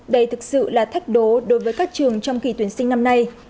đây thực sự là thách đối với các trường trong kỳ tuyển sinh năm nay